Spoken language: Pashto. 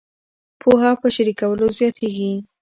پوهه په شریکولو زیاتیږي.